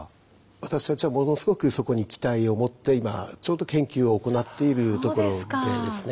私たちはものすごくそこに期待を持って今ちょうど研究を行っているところですね。